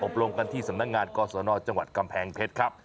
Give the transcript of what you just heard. ลงกันที่สำนักงานกศนจังหวัดกำแพงเพชรครับ